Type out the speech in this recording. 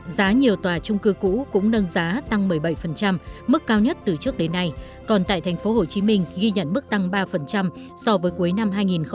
giá nhiều tòa trung cư cũ cũng nâng giá tăng một mươi bảy mức cao nhất từ trước đến nay còn tại tp hcm ghi nhận mức tăng ba so với cuối năm hai nghìn một mươi tám